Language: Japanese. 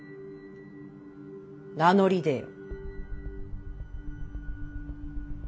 名乗り出よ。